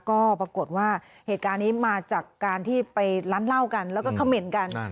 ก็ปรากฏว่าเหตุการณ์นี้มาจากการที่ไปร้านเหล้ากันแล้วก็เขม่นกัน